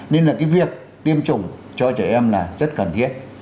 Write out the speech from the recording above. nên là cái việc tiêm chủng cho trẻ em là rất cần thiết